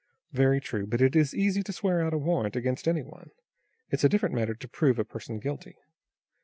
"Very true, but it is easy to swear out a warrant against any one. It's a different matter to prove a person guilty."